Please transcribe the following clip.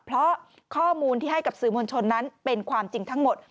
เพราะข้อมูลที่ให้กับสื่อมวลชนนั้นเป็นความจริงทั้งหมด